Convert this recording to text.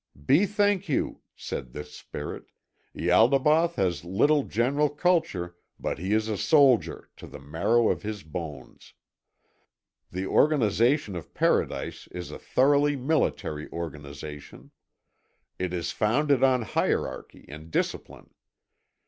"Bethink you," said this Spirit, "Ialdabaoth has little general culture, but he is a soldier to the marrow of his bones. The organisation of Paradise is a thoroughly military organisation. It is founded on hierarchy and discipline.